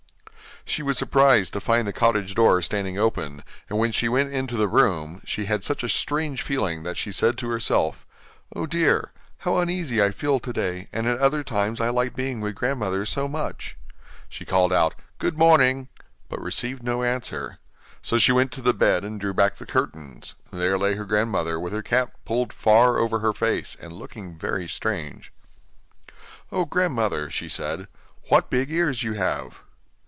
She was surprised to find the cottage door standing open, and when she went into the room, she had such a strange feeling that she said to herself: 'Oh dear! how uneasy I feel today, and at other times I like being with grandmother so much.' She called out: 'Good morning,' but received no answer; so she went to the bed and drew back the curtains. There lay her grandmother with her cap pulled far over her face, and looking very strange. 'Oh! grandmother,' she said, 'what big ears you have!